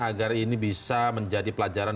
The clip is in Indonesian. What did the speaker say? agar ini bisa menjadi pelajaran